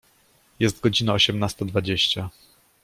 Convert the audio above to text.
Jest godzina osiemnasta dwadzieścia.